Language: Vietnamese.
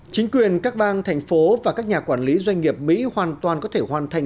chính quyền các bang thành phố và các nhà quản lý doanh nghiệp mỹ hoàn toàn có thể hoàn thành